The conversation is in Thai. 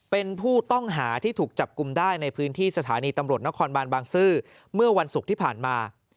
เป็นผู้ต้องหาที่ถูกจับกลุ่มได้ในพื้นที่สถานีตำรวจนครบานบางซื่อเมื่อวันศุกร์ที่ผ่านมา